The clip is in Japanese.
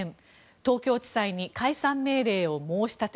東京地裁に解散命令を申し立て。